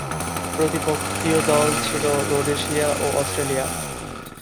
প্রতিপক্ষীয় দল ছিল রোডেশিয়া ও অস্ট্রেলিয়া।